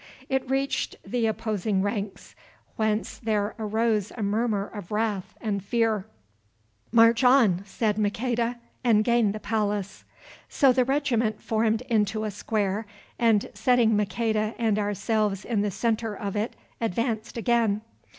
It reached the opposing ranks, whence there arose a murmur of wrath and fear. "March on!" said Maqueda, "and gain the palace." So the regiment formed into a square, and, setting Maqueda and ourselves in the centre of it, advanced again.